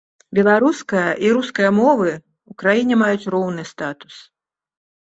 Беларуская і руская мовы ў краіне маюць роўны статус.